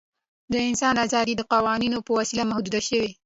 د انسان آزادي د قوانینو په وسیله محدوده شوې.